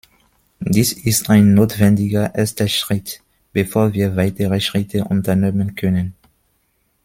Dies ist ein notwendiger erster Schritt, bevor wir weitere Schritte unternehmen können.